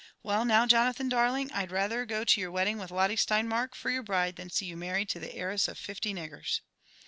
Well, now, Jonathan darling, I'd rather go to your wedding with Lotte Stein mark for your bride, than see you married to the heiress of fifty niggers."